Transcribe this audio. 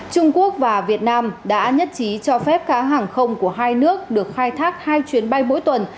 trung quốc và việt nam đã nhất trí cho phép các hàng không của hai nước được khai thác hai chuyến bay mỗi tuần